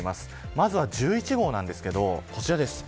まずは１１号ですがこちらです。